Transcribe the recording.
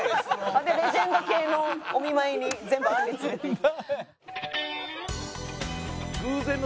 なんでレジェンド系のお見舞いに全部あんり連れていく。